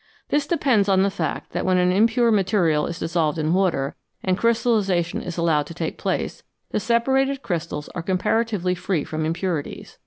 This depends on the fact that when an impure material is dissolved in water and crystallisation is allowed to take place, the separated crystals are com paratively free from impurities.